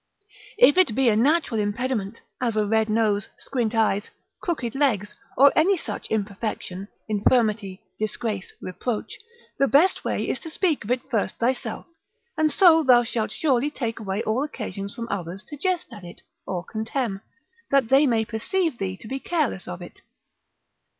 If it be a natural impediment, as a red nose, squint eyes, crooked legs, or any such imperfection, infirmity, disgrace, reproach, the best way is to speak of it first thyself, and so thou shalt surely take away all occasions from others to jest at, or contemn, that they may perceive thee to be careless of it.